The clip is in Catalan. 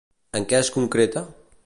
En què es concreta?